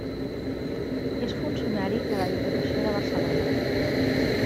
És funcionari de la Diputació de Barcelona.